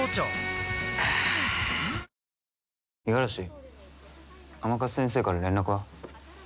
あぁ五十嵐甘春先生から連絡は？